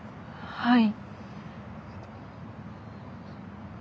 はい。